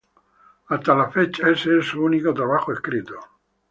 Hasta la fecha, ese es su único trabajo escrito.